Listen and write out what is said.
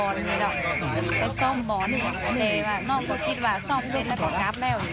เด็กได้บอกก่อนหรือเปล่าเขาว่าจะแวะมัน